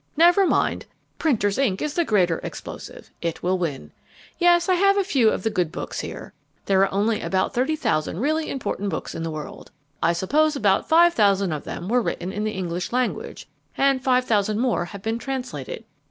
Never mind! Printer's ink is the greater explosive: it will win. Yes, I have a few of the good books here. There are only about 30,000 really important books in the world. I suppose about 5,000 of them were written in the English language, and 5,000 more have been translated."